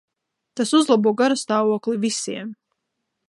Tas uzlabo garastāvokli visiem.